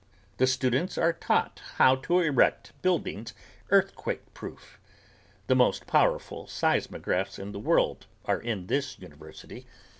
The students are taught how to erect buildings earthquakeproof. The most powerful seismographs in the world are in this university.